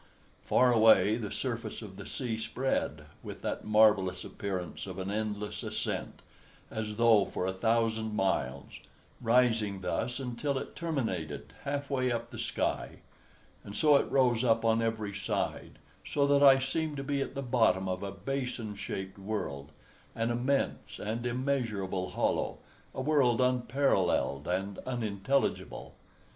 Far away the surface of the sea spread, with that marvellous appearance of an endless ascent, as though for a thousand miles, rising thus until it terminated half way up the sky; and so it rose up on every side, so that I seemed to be at the bottom of a basin shaped world an immense and immeasurable hollow a world unparalleled and unintelligible.